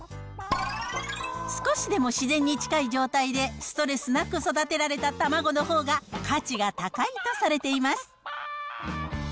少しでも自然に近い状態でストレスなく育てられた卵のほうが、価値が高いとされています。